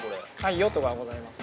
用途がございます。